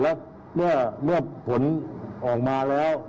แล้วเมื่อผลออกมาแล้ว